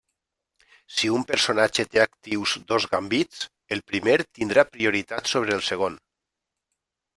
Si un personatge té actius dos gambits, el primer tindrà prioritat sobre el segon.